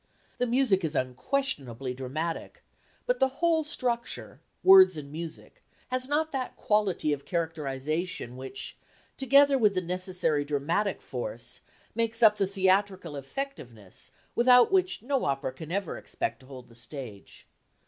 The music is unquestionably dramatic, but the whole structure, words and music, has not that quality of characterisation which, together with the necessary dramatic force, makes up the theatrical effectiveness without which no opera can ever expect to hold the stage.